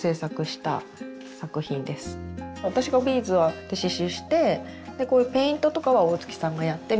私がビーズで刺しゅうしてこういうペイントとかは大月さんがやってみたいな。